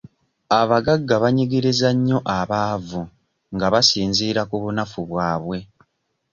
Abagagga banyigiriza nnyo abaavu nga basinziira ku bunafu bwabwe.